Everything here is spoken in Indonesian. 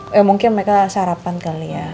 ya mungkin mereka sarapan kali ya